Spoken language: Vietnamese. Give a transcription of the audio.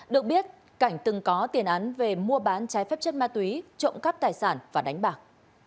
được biết cảnh từng có tiền án về mua bán trái phép chất ma túy trộm cắp tài sản và đánh bạc